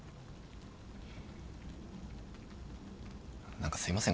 何かすいません